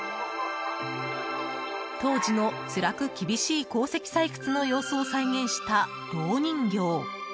当時のつらく厳しい鉱石採掘の様子を再現した、ろう人形。